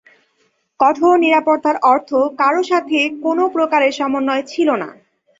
কঠোর নিরপেক্ষতার অর্থ কারও সাথে কোনও প্রকারের সমন্বয় ছিল না।